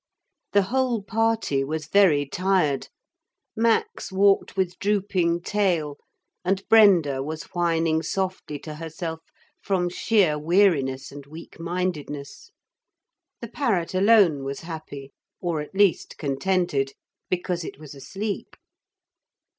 The whole party was very tired. Max walked with drooping tail, and Brenda was whining softly to herself from sheer weariness and weak mindedness. The parrot alone was happy or at least contented. Because it was asleep.